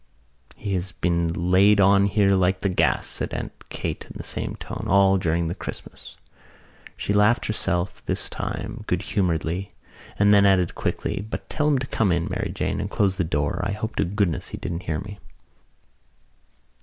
"He has been laid on here like the gas," said Aunt Kate in the same tone, "all during the Christmas." She laughed herself this time good humouredly and then added quickly: "But tell him to come in, Mary Jane, and close the door. I hope to goodness he didn't hear me."